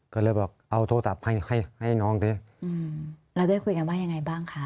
ก็เลยบอกเอาโทรศัพท์ให้ให้น้องสิอืมเราได้คุยกันว่ายังไงบ้างคะ